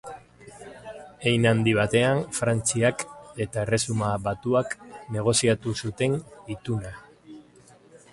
Hein handi batean, Frantziak eta Erresuma Batuak negoziatu zuten ituna.